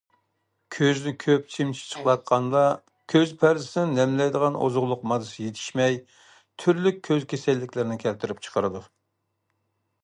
كۆزنى كۆپ چىمچىقلاتقاندا، كۆز پەردىسىنى تەمىنلەيدىغان ئوزۇقلۇق ماددىسى يېتىشمەي، تۈرلۈك كۆز كېسەللىكلىرىنى كەلتۈرۈپ چىقىرىدۇ.